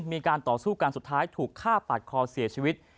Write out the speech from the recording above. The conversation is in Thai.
มีการต่อสู้กันสุดท้ายถูกฆ่าปาดคอเสียชีวิต